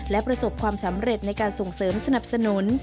และประสบความสำเร็จในการส่งเสริมสนับสนุน